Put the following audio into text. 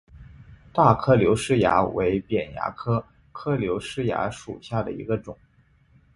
大颗瘤虱蚜为扁蚜科颗瘤虱蚜属下的一个种。